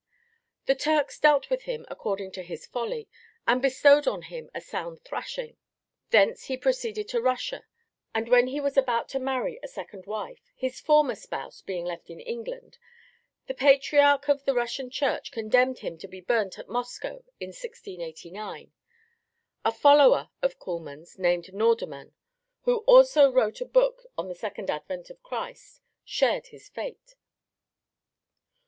The Turks dealt with him according to his folly, and bestowed on him a sound thrashing. Thence he proceeded to Russia, and when he was about to marry a second wife, his former spouse being left in England, the Patriarch of the Russian Church condemned him to be burnt at Moscow in 1689. A follower of Kuhlmann's, named Nordermann, who also wrote a book on the Second Advent of Christ, shared his fate.